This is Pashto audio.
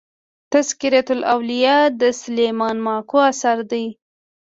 تذکرة الاولياء د سلېمان ماکو اثر دئ.